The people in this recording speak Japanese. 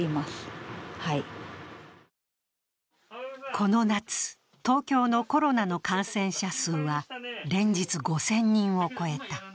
この夏、東京のコロナの感染者数は連日５０００人を超えた。